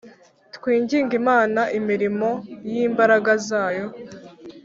Twinginge imana imirimo yimbaraga zayo